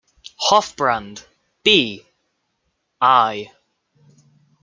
Hoffbrand, B. I.